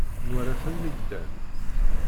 Nwala-ten mi ddan.